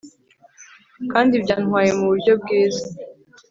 Kandi byantwaye muburyo bwiza